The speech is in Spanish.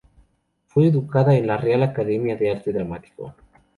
Fue educada en la Real Academia de Arte Dramático.